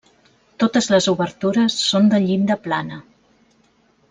Totes les obertures són de llinda plana.